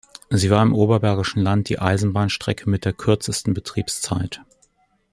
Sie war im Oberbergischen Land die Eisenbahnstrecke mit der kürzesten Betriebszeit.